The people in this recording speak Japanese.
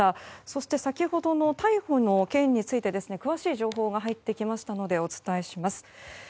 そして先ほどの逮捕の件について詳しい状況が入ってきましたのでお伝えします。